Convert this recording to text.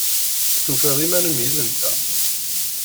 Tufiḍ iman-im yid-nteɣ?